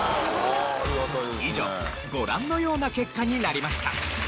以上ご覧のような結果になりました。